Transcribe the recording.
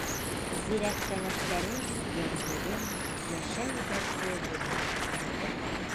Зирәк кәңәштәрең, йылы һүҙең, Йәшәү дәрте булһын күңелдә.